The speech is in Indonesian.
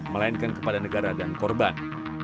melainkan kepada negara dan korban